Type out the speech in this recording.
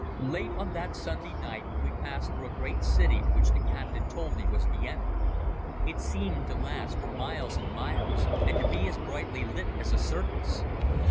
Late on that Sunday night we passed through a great city which the captain told me was Vienna. It seemed to last for miles and miles, and to be as brightly lit as a circus.